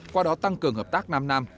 qua đó tăng cường hợp tác nam nam